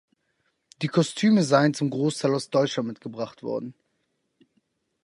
Die Kostüme seien zum Großteil aus Deutschland mitgebracht worden.